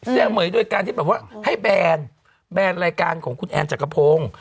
เสี้ยะเหมือยด้วยการที่แบบว่าให้แบรนด์แบรนด์รายการของคุณแอนจักรพงค์